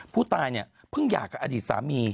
ผู้ตายเนี่ยเพิ่งหย่ากับอดีตสามี